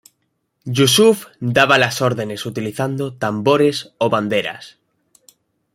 Yusuf daba las órdenes utilizando tambores o banderas.